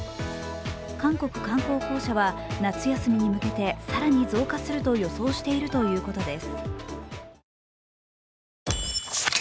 韓国観光公社は夏休みに向けて更に増加すると予想しているということです。